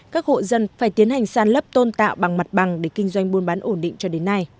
các hộ dân phải tiến hành sàn lấp tôn tạo bằng mặt bằng để kinh doanh buôn bán ổn định cho đến nay